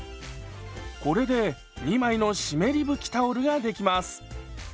これで２枚の湿り拭きタオルができます。